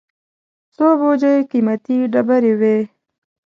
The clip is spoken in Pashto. څو بوجۍ قېمتي ډبرې وې.